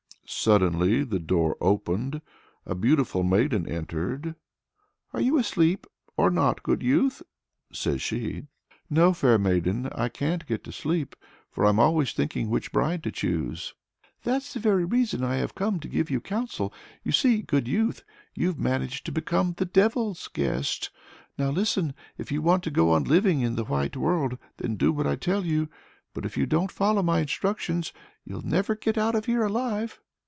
Suddenly the door opened; a beautiful maiden entered. "Are you asleep, or not, good youth?" says she. "No, fair maiden! I can't get to sleep, for I'm always thinking which bride to choose." "That's the very reason I have come to give you counsel. You see, good youth, you've managed to become the devil's guest. Now listen. If you want to go on living in the white world, then do what I tell you. But if you don't follow my instructions, you'll never get out of here alive!"